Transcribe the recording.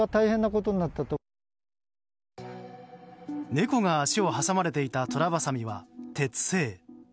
猫が足を挟まれていたトラバサミは鉄製。